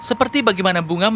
oh itu bagus